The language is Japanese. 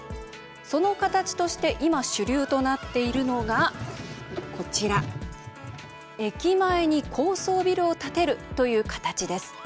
その形として今主流となっているのが、こちら駅前に高層ビルを建てるという形です。